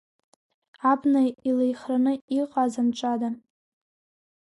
Абна илихраны иҟааз амҿада?